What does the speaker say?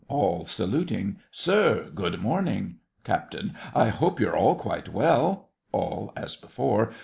ALL (saluting). Sir, good morning! CAPT. I hope you're all quite well. ALL(as before).